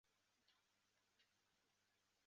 入库列车则利用该横渡线前往车库。